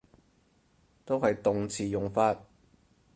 都係動詞用法